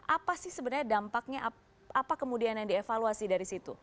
apa sih sebenarnya dampaknya apa kemudian yang dievaluasi dari situ